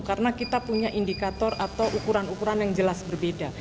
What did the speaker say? karena kita punya indikator atau ukuran ukuran yang jelas berbeda